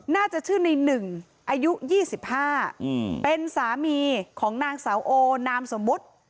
น่าจะชื่อในหนึ่งอายุ๒๕เป็นสามีของนางสาวโอนามสมมุติ